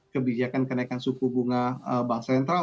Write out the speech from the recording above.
kebijakan kenaikan suku bunga bank sentral